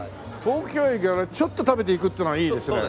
東京駅からちょっと食べていくっていうのはいいですね。